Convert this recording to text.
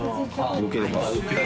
よければ。